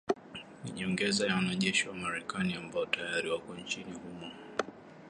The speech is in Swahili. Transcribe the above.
Ni nyongeza ya wanajeshi wa Marekani ambao tayari wako nchini humo.